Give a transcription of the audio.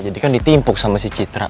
jadi kan ditimpuk sama si citra